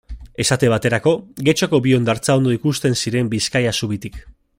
Esate baterako, Getxoko bi hondartza ondo ikusten ziren Bizkaia zubitik.